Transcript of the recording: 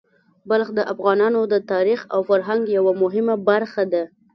بلخ د افغانانو د تاریخ او فرهنګ یوه مهمه برخه ده.